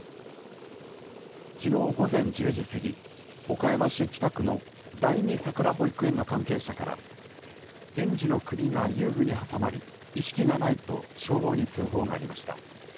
きのう午前１０時過ぎ、岡山市北区の第二さくら保育園の関係者から、園児の首が遊具に挟まり、意識がないと消防に通報がありました。